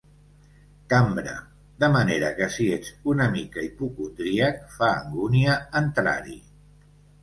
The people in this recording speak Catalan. Cambra”, de manera que si ets una mica hipocondríac fa angúnia entrar-hi.